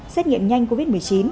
xét nghiệm nhanh covid một mươi chín